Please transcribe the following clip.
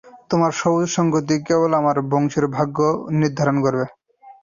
তোমার সবুজ সংকেতই কেবল আমার বংশের ভাগ্য নির্ধারণ করবে।